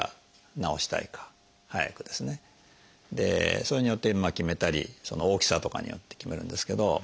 それによって決めたり大きさとかによって決めるんですけど。